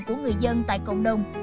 của người dân tại cộng đồng